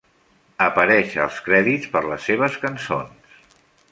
Apareix als crèdits per les seves cançons.